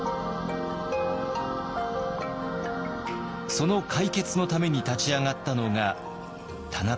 その解決のために立ち上がったのが田中正造です。